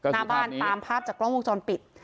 หน้าบ้านตามภาพจากกล้องวงจรปิด